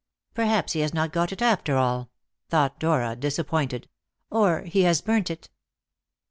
"Perhaps he has not got it after all," thought Dora, disappointed, "or he has burnt it."